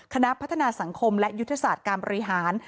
คณะพัฒนาสังคมและยุทธศาสตร์การบริหาร